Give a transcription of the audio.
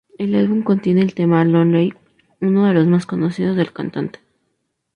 El álbum contiene el tema "Lonely", uno de los más conocidos del cantante.